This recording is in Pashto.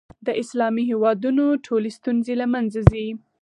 د اسلامي هېوادونو ټولې ستونزې له منځه ځي.